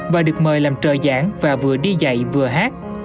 và được mời làm trợ giảng và vừa đi dạy vừa hát